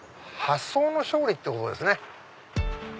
発想の勝利ってことですね。